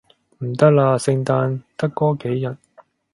唔得啦，聖誕得嗰幾日